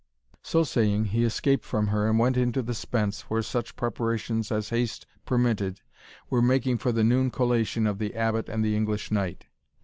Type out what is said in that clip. So saying, he escaped from her and went into the spence, where such preparations as haste permitted were making for the noon collation of the Abbot and the English knight.